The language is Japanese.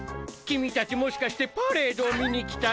君たちもしかしてパレードを見に来た。